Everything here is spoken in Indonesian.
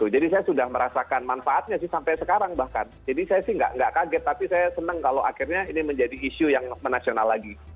jadi saya sudah merasakan manfaatnya sih sampai sekarang bahkan jadi saya sih nggak kaget tapi saya senang kalau akhirnya ini menjadi isu yang menasional lagi